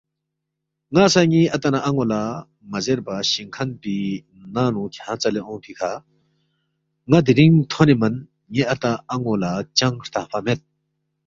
ن٘ا سہ ن٘ی اتا نہ ان٘و لہ مہ زیربا شِنگ کھن پی ںنگ نُو کھیانگ ژلے اونگفی کھہ نہ دِرِنگ تھونے من ن٘ی اتا ان٘و لہ چنگ ہرتخفا مید